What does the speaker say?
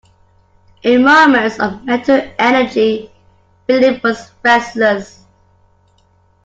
In moments of mental energy Philip was restless.